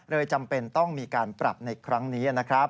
จำเป็นต้องมีการปรับในครั้งนี้นะครับ